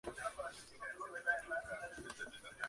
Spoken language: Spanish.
Es disolvente del acetato de celulosa y algunas tintas y resinas.